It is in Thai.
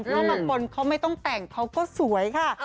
เพราะบางคนเขาไม่ต้องแต่งเขาก็สวยค่ะ